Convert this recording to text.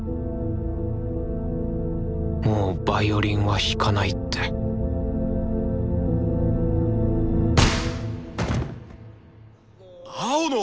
もうヴァイオリンは弾かないって青野！